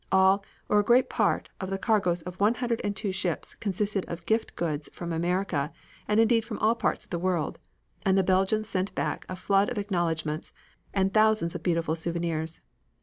All, or a great part, of the cargoes of one hundred and two ships consisted of gift goods from America and indeed from all parts of the world, and the Belgians sent back a flood of acknowledgments and thousands of beautiful souvenirs.